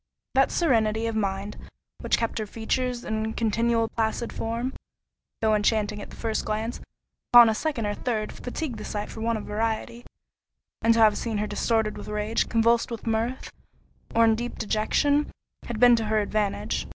That serenity of mind which kept her features in a continual placid form, though enchanting at the first glance, upon a second or third, fatigued the sight for want of variety; and to have seen her distorted with rage, convulsed with mirth, or in deep dejection, had been to her advantage.